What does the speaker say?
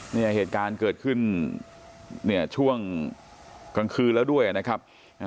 เนี่ยเหตุการณ์เกิดขึ้นเนี่ยช่วงกลางคืนแล้วด้วยนะครับ